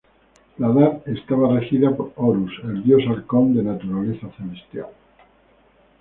La Dat estaba regida por Horus, el dios halcón de naturaleza celestial.